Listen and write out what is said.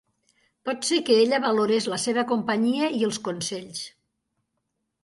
Pot ser que ella valorés la seva companyia i els consells.